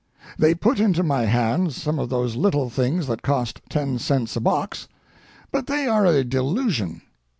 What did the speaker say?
They put into my hands some of those little things that cost ten cents a box, but they are a delusion.